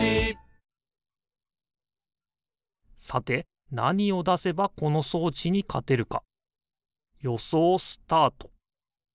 さてなにをだせばこのそうちにかてるかよそうスタート！